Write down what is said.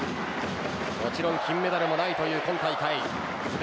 もちろん金メダルもないという今大会です。